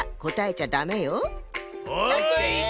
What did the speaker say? オッケー！